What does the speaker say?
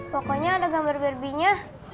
pokoknya ada gambar berbinya